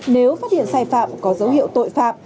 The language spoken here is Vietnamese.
nếu phát hiện sai phạm có dấu hiệu tội phạm